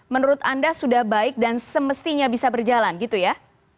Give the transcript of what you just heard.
menurut anda sudah baik dan semestinya bisa berjalan gitu ya